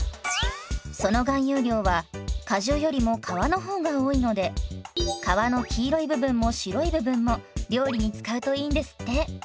その含有量は果汁よりも皮の方が多いので皮の黄色い部分も白い部分も料理に使うといいんですって。